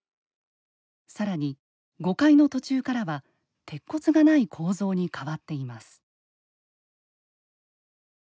さらに、５階の途中からは鉄骨がない構造に変わっています。